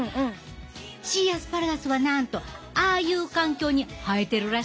シーアスパラガスはなんとああいう環境に生えてるらしいで。